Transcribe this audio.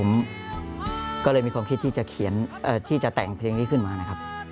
ผมก็เลยมีความคิดที่จะเขียนที่จะแต่งเพลงนี้ขึ้นมานะครับ